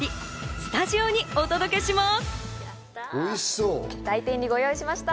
スタジオにお届けします。